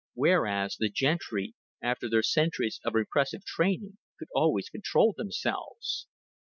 Whereas the gentry, after their centuries of repressive training, could always control themselves.